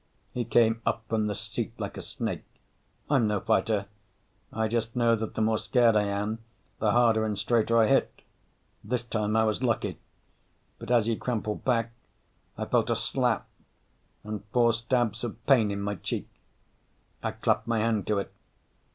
He came up from the seat like a snake. I'm no fighter. I just know that the more scared I am, the harder and straighter I hit. This time I was lucky. But as he crumpled back, I felt a slap and four stabs of pain in my cheek. I clapped my hand to it.